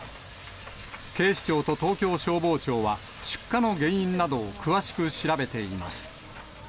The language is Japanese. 警視庁と東京消防庁は、出火の原因などを詳しく調べています。